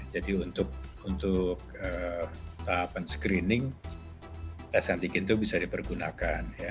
jadi untuk tahapan screening tes antigen itu bisa dipergunakan